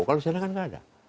kalau di sana kan nggak ada